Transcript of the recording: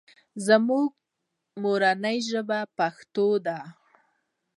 زما مورنۍ ژبه پښتو ده